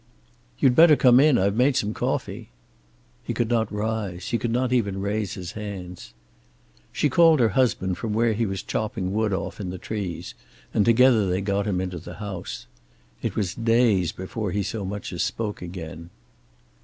"You'd better come in. I've made some coffee." He could not rise. He could not even raise his hands. She called her husband from where he was chopping wood off in the trees, and together they got him into the house. It was days before he so much as spoke again.